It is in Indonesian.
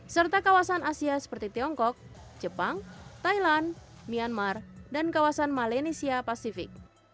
serta kawasan asia seperti tiongkok jepang thailand myanmar dan kawasan malenisia pasifik